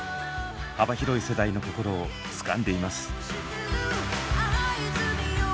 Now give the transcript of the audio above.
幅広い世代の心をつかんでいます。